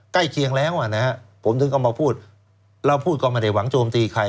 ใกล้เคียงแล้วอ่ะนะฮะผมถึงก็มาพูดเราพูดก็ไม่ได้หวังโจมตีใคร